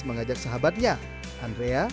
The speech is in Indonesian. mengajak sahabatnya andrea